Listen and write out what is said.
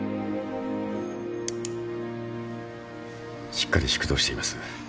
しっかり縮瞳しています。